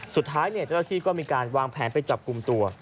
สุดท้ายเจ้าหน้าที่ก็มีการวางแผนไปจับกลุ่มตัว